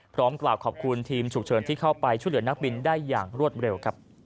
พร้อมกล่าวขอบคุณทีมฉุกเฉินที่เข้าไปช่วยเหลือนักบินได้อย่างรวดเร็ว